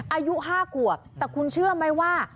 อายุ๕ขวบแต่คุณเชื่อไหมว่า